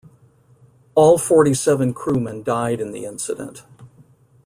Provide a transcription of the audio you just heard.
All forty-seven crewmen died in the incident.